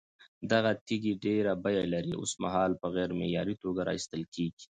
دغه تېږې ډېره بيه لري، اوسمهال په غير معياري توگه راايستل كېږي،